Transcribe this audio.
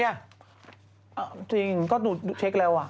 เอาหรือจริงก็หนูเช็กแล้วว่ะ